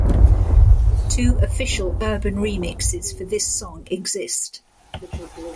Two official urban remixes for this song exist.